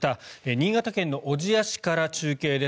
新潟県の小千谷市から中継です。